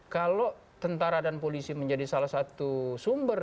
kalau tentara dan polisi menjadi salah satu sumber